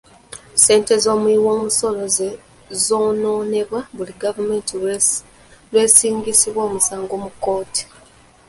Ssente z'omuwi w'omusolo ze zoonoonebwa buli gavumenti lw'esingisibwa omusango mu kkooti.